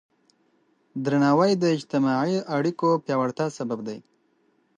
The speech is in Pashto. درناوی د اجتماعي اړیکو د پیاوړتیا سبب دی.